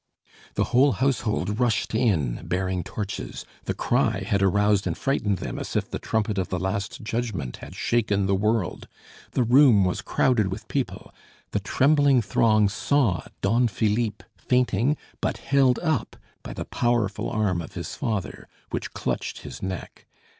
The whole household rushed in, bearing torches. The cry had aroused and frightened them as if the trumpet of the last judgment had shaken the world. The room was crowded with people. The trembling throng saw Don Philippe, fainting, but held up by the powerful arm of his father, which clutched his neck.